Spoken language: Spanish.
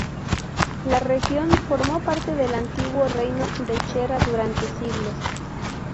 La región formó parte del antiguo reino de Chera durante siglos.